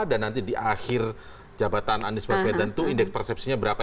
dan nanti di akhir jabatan anies basudan itu indeks persepsinya berapa